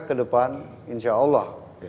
ke depan insya allah